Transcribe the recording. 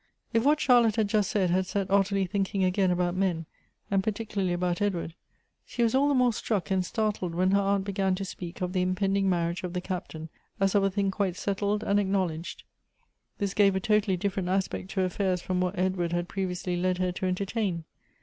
If what Charlotte had just said had set Ottilie thinking again about men, and particularly about Edward, she was all the more struck and startled when her aunt began to speak of the impending marriage of the Captain as of a thing quite settled and acknowledged. This gave a totally different aspect to affairs from what Edward had previously led her to entertain.